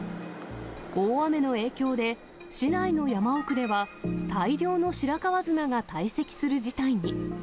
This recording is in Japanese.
大雨の影響で、市内の山奥では大量の白川砂が堆積する事態に。